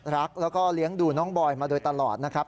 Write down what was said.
รักแล้วก็เลี้ยงดูน้องบอยมาโดยตลอดนะครับ